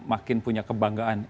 makin punya kebanggaan